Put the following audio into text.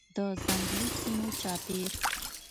د ځنګلي سیمو چاپیر